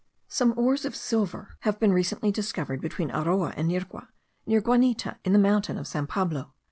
Some ores of silver have been recently discovered between Aroa and Nirgua, near Guanita, in the mountain of San Pablo.